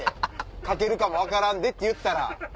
かけるかも分からんでって言ったら。